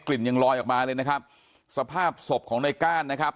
ยังลอยออกมาเลยนะครับสภาพศพของในก้านนะครับ